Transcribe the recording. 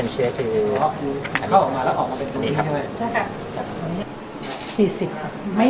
สวัสดีครับ